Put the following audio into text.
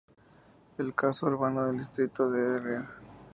El casco urbano del distrito de Dr.